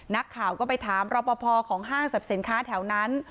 นักข่าวก็ไปถามรับประพอของห้างสับเสนค้าแถวนั้น